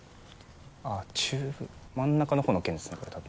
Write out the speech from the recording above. あっ中部真ん中の方の県ですねこれ多分。